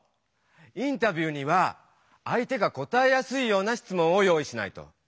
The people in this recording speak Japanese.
インタビューには相手が答えやすいようなしつもんを用意しないと。